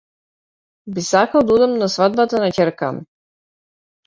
Би сакал да одам на свадбата на ќерка ми.